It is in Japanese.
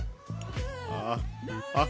ああ！